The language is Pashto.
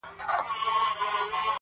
کارگه د زرکي تگ کا وه خپل هغې ئې هېر سو.